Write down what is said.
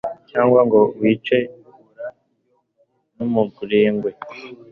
cyangwa ngo wicwe n'umurengwe